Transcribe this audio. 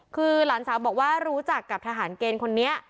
คือหลานสาวบอกว่ารู้จักกับทหารเกณฑ์คนนี้